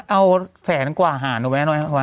เอาแสนกว่าห่านหนูแม่น้อยครับว่ะ